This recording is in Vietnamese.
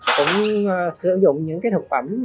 cũng sử dụng những cái thực phẩm